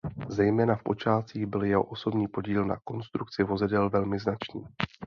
Zejména v počátcích byl jeho osobní podíl na konstrukci vozidel velmi značný.